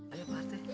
ayah pak arti